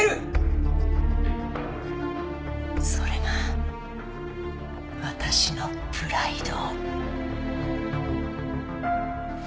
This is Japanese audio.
それがわたしのプライド。